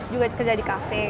juga kerja di kafe